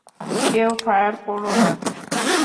কেউ ফায়ার করো না!